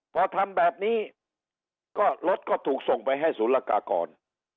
พอทำแบบนี้ก็รถก็ถูกส่งไปให้ศูนย์ละกากร